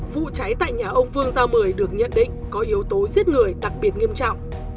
vụ cháy tại nhà ông phương giao bười được nhận định có yếu tố giết người đặc biệt nghiêm trọng